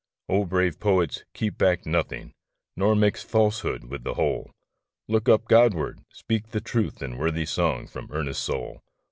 O brave poets, keep back nothing ; Nor mix falsehood with the whole ! Look up Godward! speak the truth in Worthy song from earnest soul